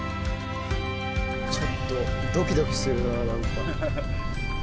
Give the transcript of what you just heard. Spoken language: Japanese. ちょっとドキドキするな何か。